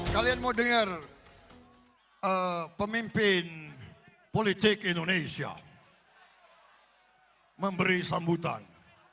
kalian mau dengar pemimpin politik indonesia memberi sambutan